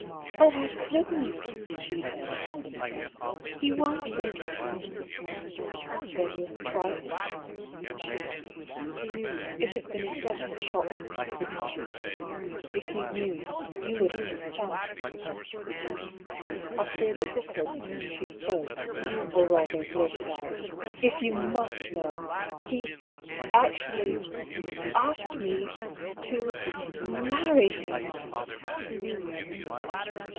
" Oh, I couldnH !" she said, in distress. " He won't make it up." " Then you have tried him ?" She nodded. It has been a dreadful shock to me," she said. *' If you knew, you would understand." After a little coaxing, she spoke, or rather blurted out : "If you must know — he actually — ^asked me— to marry him